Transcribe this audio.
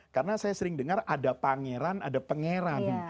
karena saya sering dengar ada pangeran ada pengeran